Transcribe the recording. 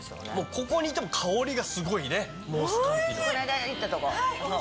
ここにいても香りがすごいねもうスカンピの。